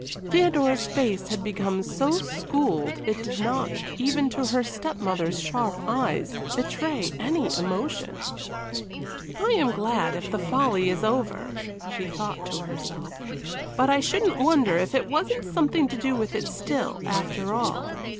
Theodora's face had become so schooled it did not, even to her step mother's sharp eyes, betray any emotion. "I am glad if the folly is over," she thought to herself. "But I shouldn't wonder if it Wasn't something to do with it still, after all.